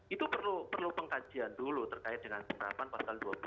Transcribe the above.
itu perlu pengkajian dulu terkait dengan penerapan pasal dua belas